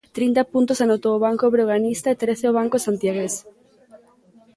Trinta puntos anotou o banco breoganista e trece o banco santiagués.